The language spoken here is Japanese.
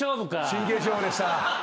「真剣勝負」でした。